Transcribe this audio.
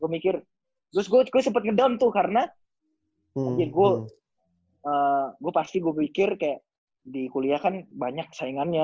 gue mikir terus gue sempet ngedown tuh karena gue pasti gue mikir kayak di kuliah kan banyak saingannya